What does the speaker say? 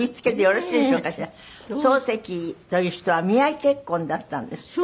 漱石という人は見合い結婚だったんですって？